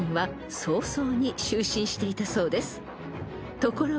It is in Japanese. ［ところが］